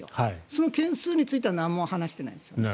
その件数については何も話していないですね。